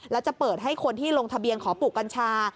แล้วจะเปิดให้คนที่ลงทะเบียนขอปลูกกัญชา